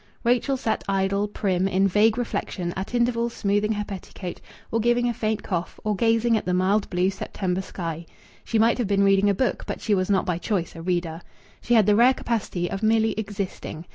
Rachel sat idle, prim, in vague reflection, at intervals smoothing her petticoat, or giving a faint cough, or gazing at the mild blue September sky. She might have been reading a book, but she was not by choice a reader. She had the rare capacity of merely existing.